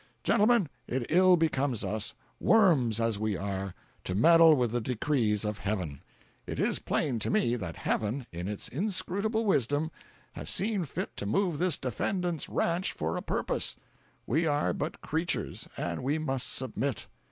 Gentlemen, it ill becomes us, worms as we are, to meddle with the decrees of Heaven. It is plain to me that Heaven, in its inscrutable wisdom, has seen fit to move this defendant's ranch for a purpose. We are but creatures, and we must submit.